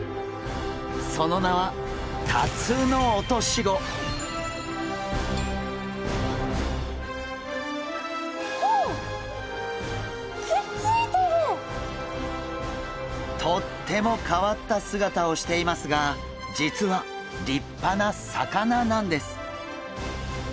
その名はとっても変わった姿をしていますが実は立派な魚なんです。